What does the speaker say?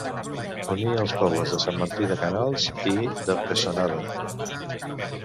Unia els pobles de Sant Martí de Canals i de Pessonada.